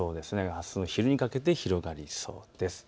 あすの昼にかけて広がりそうです。